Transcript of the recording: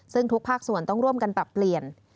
ซึ่งทุกภาคส่วนต้องร่วมกันปรับเปลี่ยน